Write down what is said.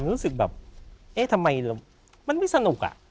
รู้สึกแบบเอ๊ะทำไมมันไม่สนุกอะ